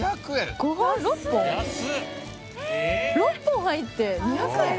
６本入って２００円？